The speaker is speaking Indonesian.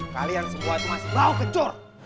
kalian semua tuh masih mau kecur